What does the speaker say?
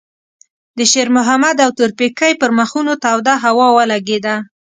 د شېرمحمد او تورپيکۍ پر مخونو توده هوا ولګېده.